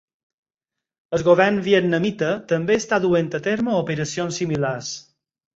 El govern vietnamita també està duent a terme operacions similars.